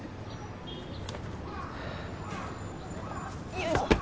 よいしょっ